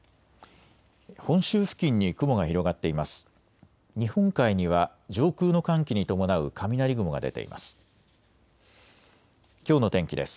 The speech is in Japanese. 本州付近に雲が広がっています。